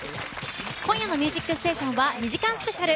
今夜の「ミュージックステーション」は２時間スペシャル。